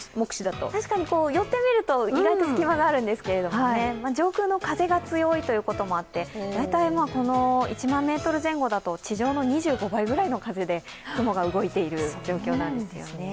確かに寄ってみると以外隙間があるんですけど、上空の風が強いということもあって、大体１万メートル前後だと地上の２５倍ぐらいの風で雲が動いている状況なんです。